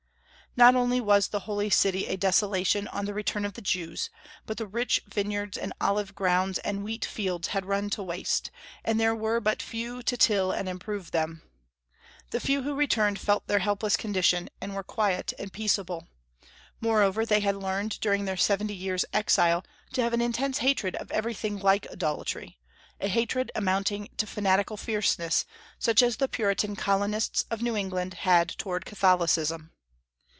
Not only was the Holy City a desolation on the return of the Jews, but the rich vineyards and olive grounds and wheat fields had run to waste, and there were but few to till and improve them. The few who returned felt their helpless condition, and were quiet and peaceable. Moreover, they had learned during their seventy years' exile to have an intense hatred of everything like idolatry, a hatred amounting to fanatical fierceness, such as the Puritan Colonists of New England had toward Catholicism.